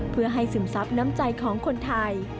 เพื่อให้ซึมซับน้ำใจของคนไทย